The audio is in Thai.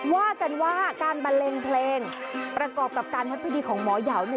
ว่ากันว่าการบันเลงเพลงประกอบกับการทำพิธีของหมอยาว